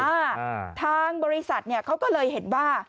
อ่าทางบริษัทเนี่ยเขาก็เลยเห็นว่า